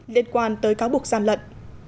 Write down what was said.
liên quan tới cáo buộc gian lận